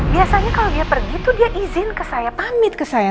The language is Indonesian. biasanya kalau dia pergi itu dia izin ke saya pamit ke saya